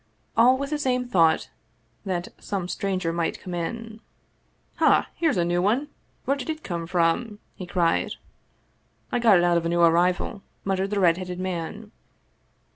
All with the same thought that some stranger might come in. " Ha ! here's a new one ! Where did it come from ?" he cried. " I got it out of a new arrival," muttered the red headed man.